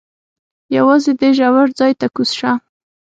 یوازې دې ژور ځای ته کوز شه.